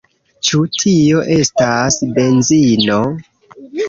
Ĉu tio estas benzino?